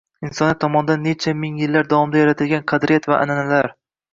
insoniyat tomonidan necha ming yillar davomida yaratilgan qadriyat va an’analar